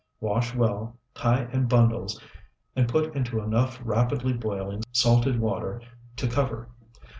Wash well, tie in bundles, and put into enough rapidly boiling salted water to cover.